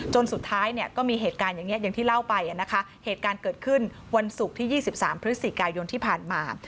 สุดท้ายเนี่ยก็มีเหตุการณ์อย่างนี้อย่างที่เล่าไปนะคะเหตุการณ์เกิดขึ้นวันศุกร์ที่๒๓พฤศจิกายนที่ผ่านมา